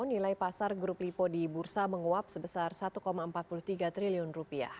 nilai pasar grup lipo di bursa menguap sebesar rp satu empat puluh tiga triliun